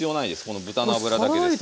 この豚の脂だけです。